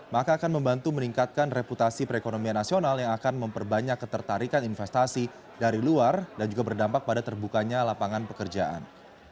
maka akan membantu meningkatkan reputasi perekonomian nasional yang akan memperbanyak ketertarikan investasi dari luar dan juga berdampak pada terbukanya lapangan pekerjaan